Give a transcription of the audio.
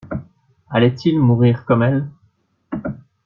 Allait-il mourir comme elle?